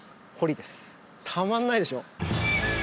たまんないでしょ。